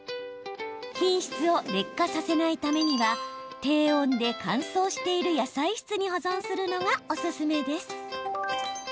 品質を劣化させないためには低温で乾燥している野菜室に保存するのがおすすめです。